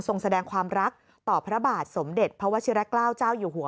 แสดงความรักต่อพระบาทสมเด็จพระวชิระเกล้าเจ้าอยู่หัว